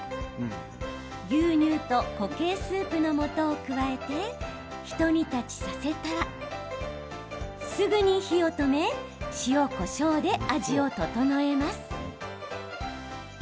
牛乳と固形スープのもとを加えてひと煮立ちさせたらすぐに火を止め塩、こしょうで味を調えます。